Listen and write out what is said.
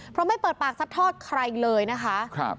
เพราะไม่เปิดปากซัดทอดใครเลยนะคะ